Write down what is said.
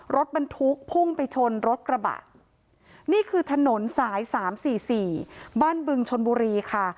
รถบรรทุกพุ่งไปชนรถกระบะนี่คือถนนสาย๓๔๔บ้านบึงชนบุรีค่ะ